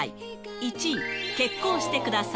１位、結婚してください。